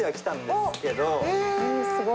すごい。